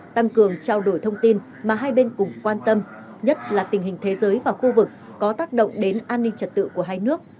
tăng cường trao đổi thông tin mà hai bên cũng quan tâm nhất là tình hình thế giới và khu vực có tác động đến an ninh trật tự của hai nước